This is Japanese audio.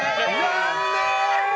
残念！